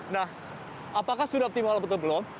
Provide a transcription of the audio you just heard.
nah apakah sudah optimal atau belum